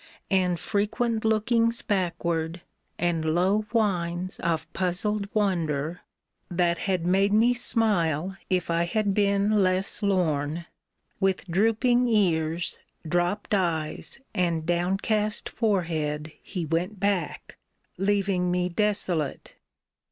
And frequent lookings backward, and low whines Of puzzled wonder — that had made me smile If I had been less lorn — with drooping ears, Dropt eyes, and downcast forehead he went back. Leaving me desolate.